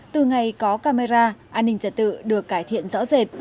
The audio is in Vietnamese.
từ ngày có camera an ninh trật tự được cải thiện rõ rệt